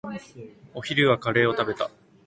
お昼はカレーを食べた。